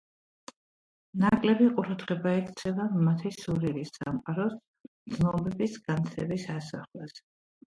ნაკლები ყურადღება ექცევა მათი სულიერი სამყაროს, გრძნობების, განცდების ასახვას.